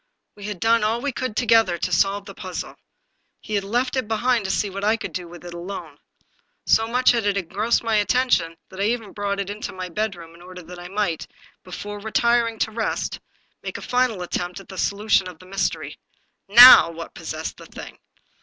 We had done all we could, together, to solve the puzzle. He had left it behind to see what I could do with it alone. So much had it engrossed my attention that I had even brought it into my bedroom, in order that I might, before retiring to rest, make a final attempt at the solution of the mystery. Now what possessed the thing?